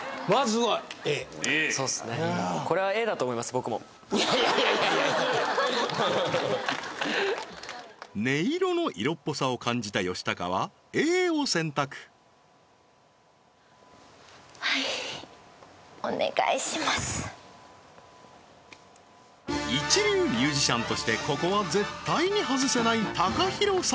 はっ音色の色っぽさを感じた吉高はＡを選択はい一流ミュージシャンとしてここは絶対に外せないＴＡＫＡＨＩＲＯ様